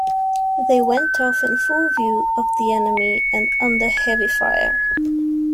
They went off in full view of the enemy and under heavy fire.